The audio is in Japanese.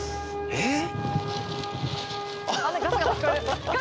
えっ？